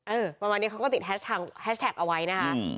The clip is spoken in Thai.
ประมาณนี้เขาก็ติดแฮชแท็กเอาไว้นะคะ